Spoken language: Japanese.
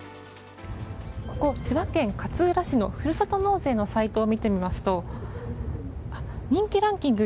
ここ、千葉県勝浦市のふるさと納税のサイトを見てみますと人気ランキング